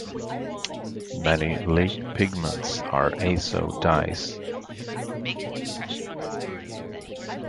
Many lake pigments are azo dyes.